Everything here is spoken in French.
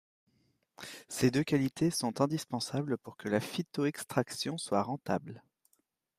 Ces deux qualités sont indispensables pour que la phytoextraction soit rentable.